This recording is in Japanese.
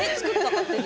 勝手に？